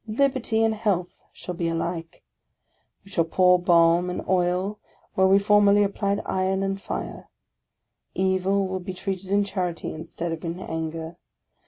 Liberty and health shall be alike. We shall pour balm and oil where we formerly applied iron and fire; evil will be treated in charity, instead of in anger.